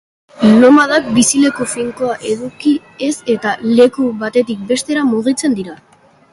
Nomadak bizileku finkoa eduki ez eta leku batetik bestera mugitzen dira.